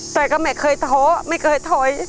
แต่ก็ไม่เคยท้อไม่เคยถอย